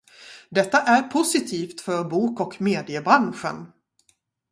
Detta är positivt för bok- och mediebranschen.